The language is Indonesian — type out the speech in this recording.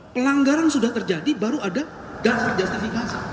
pelanggaran sudah terjadi baru ada garis justifikasi